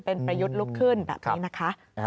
เป็นประยุทธ์ลุกขึ้นแบบนี้นะคะ